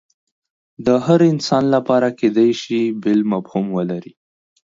د هر انسان لپاره کیدای شي بیل مفهوم ولري